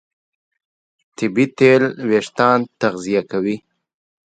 طبیعي تېل وېښتيان تغذیه کوي.